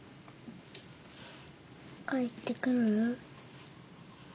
帰ってくる？